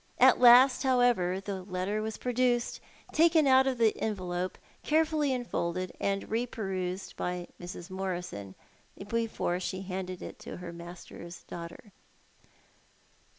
At last, however, the letter was produced, taken out of the envelope, carefully unfolded, and re perused by Mrs. Morison before she handed it to her master's daughter.